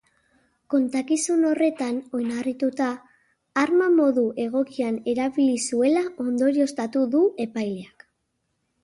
Kontakizun horretan oinarrituta, arma modu egokian erabili zuela ondorioztatu du epaileak.